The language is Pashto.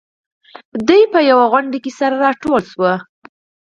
دوی په يوه غونډه کې سره راټول شول.